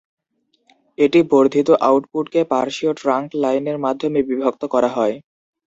এটি বর্ধিত আউটপুটকে পার্শ্বীয় ট্রাঙ্ক লাইনের মাধ্যমে বিভক্ত করা হয়।